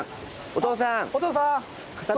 お父さん！